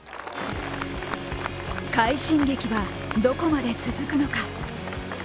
快進撃はどこまで続くのか。